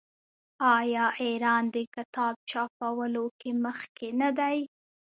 آیا ایران د کتاب چاپولو کې مخکې نه دی؟